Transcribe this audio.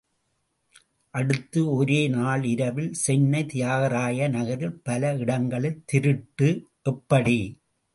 அடுத்து ஒரே நாள் இரவில் சென்னை தியாகராய நகரில் பல இடங்களில் திருட்டு—எப்படி?